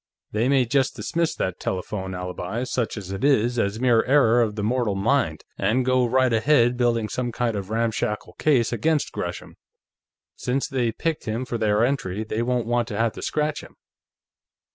They may just dismiss that telephone alibi, such as it is, as mere error of the mortal mind, and go right ahead building some kind of a ramshackle case against Gresham. Since they picked him for their entry, they won't want to have to scratch him....